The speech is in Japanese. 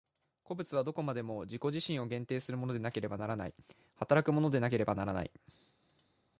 個物はどこまでも自己自身を限定するものでなければならない、働くものでなければならない。